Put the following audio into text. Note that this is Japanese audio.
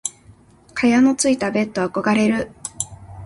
蚊帳のついたベット憧れる。